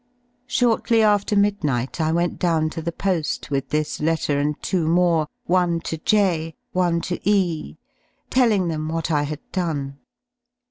J Shortly after midnight I went down to the po^ with i this letter and two more, one to J , one to E , telling them what I had done.